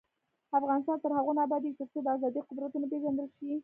افغانستان تر هغو نه ابادیږي، ترڅو د ازادۍ قدر ونه پیژندل شي.